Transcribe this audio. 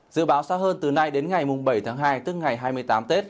dự báo sát hơn từ nay đến ngày bảy hai tức ngày hai mươi tám tết